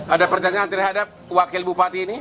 ada pertanyaan terhadap wakil bupati ini